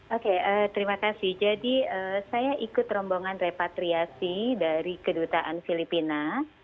oke terima kasih jadi saya ikut rombongan repatriasi dari kedutaan filipina